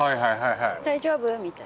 大丈夫？みたいに。